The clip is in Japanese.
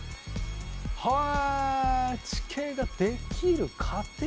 はあ。